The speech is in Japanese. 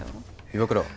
岩倉